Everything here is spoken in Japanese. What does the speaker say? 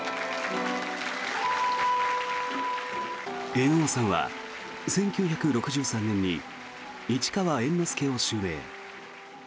猿翁さんは１９６３年に市川猿之助を襲名。